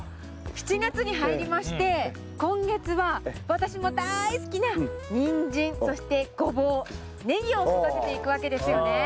７月に入りまして今月は私もだい好きなニンジンそしてゴボウネギを育てていくわけですよね。